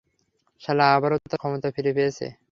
শালা আবারও তার ক্ষমতা ফিরে পেয়েছে!